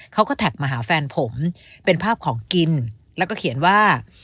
เขาก็แท็กมาหาแฟนผมเป็นภาพของกินแล้วก็เขียนว่า